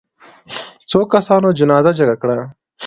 څو کسانو جنازه جګه کړه.